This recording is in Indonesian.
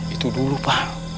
itu dulu pak